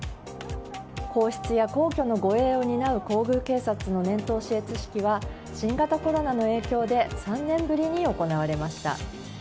皇宮や皇居の護衛を担う皇宮警察の年頭視閲式は新型コロナの影響で３年ぶりに行われました。